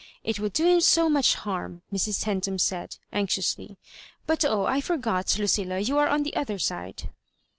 *' ft would do him so much harm," Mrs. Centum said, anxiously ;" but oh I I forgot, Lucilla, you are on the other side."